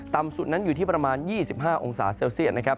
ต่ำสุดนั้นอยู่ที่ประมาณ๒๕องศาเซลเซียตนะครับ